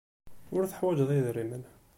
Ur teḥwajeḍ idrimen.